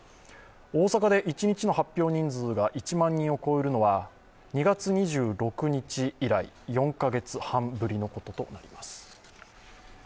大阪で一日の発表人数が１万人を超えるのは２月２６日以来、４カ月半ぶりのこととなります。